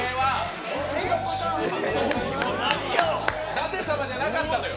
舘様じゃなかったのよ。